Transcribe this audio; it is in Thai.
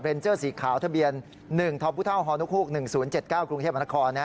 เรนเจอร์สีขาวทะเบียน๑ทบุธาวฮนกฮูก๑๐๗๙กรุงเทพฯมค